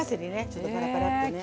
ちょっとパラパラッとね。